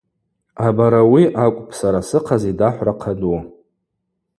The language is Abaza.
Абарауи акӏвпӏ сара сыхъаз йдахӏвра хъаду.